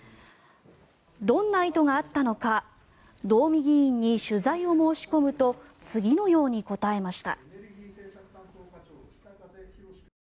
どんな意図があったのか道見議員に取材を申し込むと次のように答えました。